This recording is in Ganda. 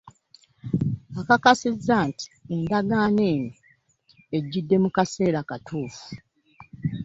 Akakasizza nti endagaano eno ejjidde mu kaseera katuufu